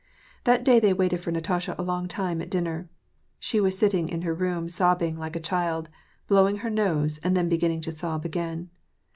That day they waited for Natasha a long time at dinner. She was sitting in her room, sobbing like a child, blowing her nose, and then beginning to sob again.